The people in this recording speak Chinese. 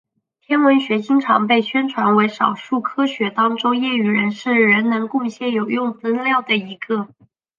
天文学经常被宣传为少数科学当中业余人士仍能贡献有用的资料的一个。